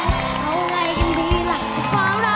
เอาไงกันดีล่ะความรัก